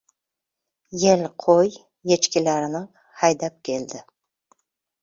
Yel qo‘y-yechkilarini haydab keldi.